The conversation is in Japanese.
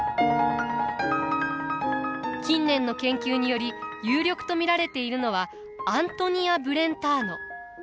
近年の研究により有力と見られているのはアントニア・ブレンターノ。